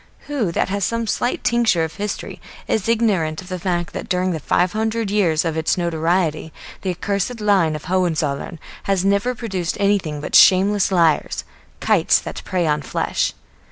Who that has some slight tincture of history is ignorant of the fact that during the five hundred years of its notoriety the accursed line of the Hohenzollern has never produced anything but shameless liars, kites that prey on flesh.